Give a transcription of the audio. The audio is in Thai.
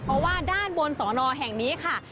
เพราะว่าด้านบนสอนอแห่งนี้ค่ะ